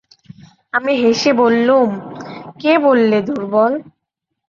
আমি হেসে বললুম, কে বললে দুর্বল?